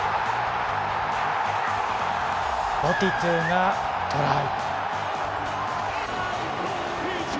ボティトゥがトライ。